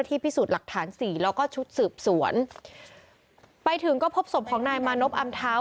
พิสูจน์หลักฐานสี่แล้วก็ชุดสืบสวนไปถึงก็พบศพของนายมานบอำเท้า